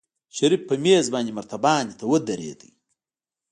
شريف په مېز باندې مرتبان ته ودرېد.